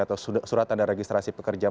atau surat tanda registrasi pekerja